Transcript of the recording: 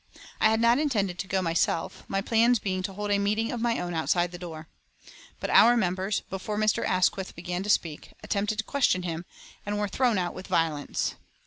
I had not intended to go myself, my plans being to hold a meeting of my own outside the door. But our members, before Mr. Asquith began to speak, attempted to question him, and were thrown out with violence.